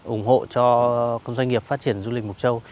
ủng hộ cho doanh nghiệp phát triển du lịch mục châu